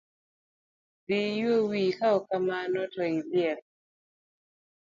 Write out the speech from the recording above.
Dhi iyuo wiyo, kaok kamano to alieli.